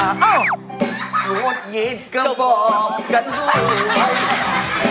หวดหยิดก็บอกกันมา